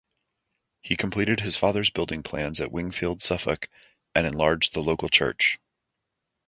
He completed his father's building plans at Wingfield, Suffolk and enlarged the local church.